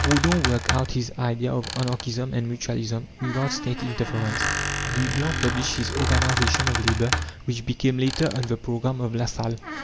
Proudhon worked out his idea of Anarchism and Mutualism, without State interference. Louis Blanc published his Organization of Labour, which became later on the programme of Lassalle.